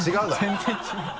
全然違う。